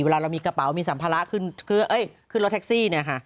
เวลาเรามีกระเป๋ามีสัมภาระขึ้นรถแท็กซี่เนี่ยค่ะ